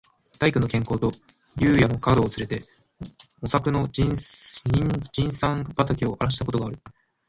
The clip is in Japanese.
大工の兼公と肴屋の角をつれて、茂作の人参畠をあらした事がある。